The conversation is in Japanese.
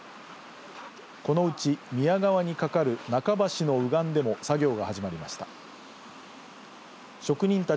このうち宮川に架かる中橋の右岸でも作業が始まりました。